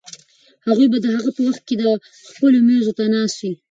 هغوی به په هغه وخت کې په خپلو مېزو ناست وي.